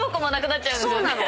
そうなの。